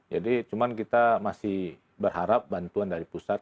jadi cuma kita masih berharap bantuan dari pusat